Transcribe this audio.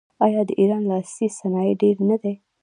آیا د ایران لاسي صنایع ډیر نه دي؟